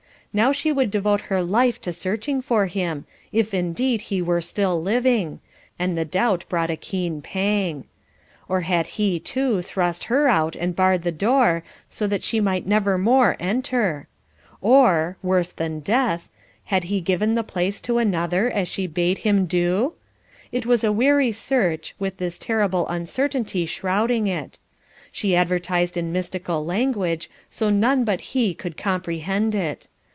Now she would devote her life to searching for him, if indeed he were still living, and the doubt brought a keen pang; or had he, too, thrust her out and barred the door, so that she might never more enter? Or worse than death had he given the place to another, as she bade him do? It was a weary search, with this terrible uncertainty shrouding it. She advertised in mystical language, so none but he could comprehend it.